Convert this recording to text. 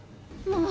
もう！